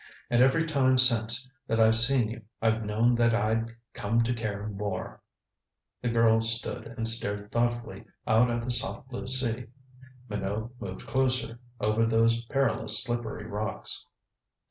And every time since that I've seen you I've known that I'd come to care more " The girl stood and stared thoughtfully out at the soft blue sea. Minot moved closer, over those perilous slippery rocks.